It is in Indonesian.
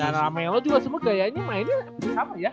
nah melo juga semua kayaknya mainnya sama ya